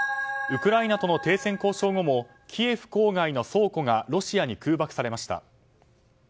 ウクライナとの停戦交渉後もキエフ郊外の倉庫がロシアに空爆されました。